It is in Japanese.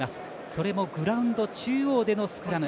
それもグラウンド中央でのスクラム。